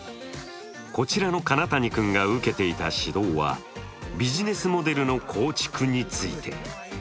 こちらの金谷君が受けていた指導はビジネスモデルの構築について。